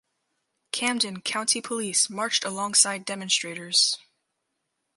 Camden County Police marched alongside demonstrators.